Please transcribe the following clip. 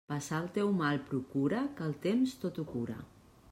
Passar el teu mal procura, que el temps tot ho cura.